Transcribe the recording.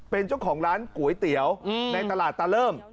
เป็นเจ้าของร้านก๋วยเตี๋ยวในตลาดตะเริ่ม